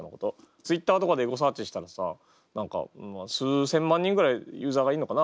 Ｔｗｉｔｔｅｒとかでエゴサーチしたらさ何かまあ数千万人ぐらいユーザーがいるのかな？